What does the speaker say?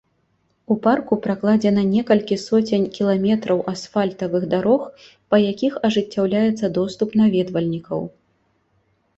У парку пракладзена некалькі соцень кіламетраў асфальтавых дарог, па якіх ажыццяўляецца доступ наведвальнікаў.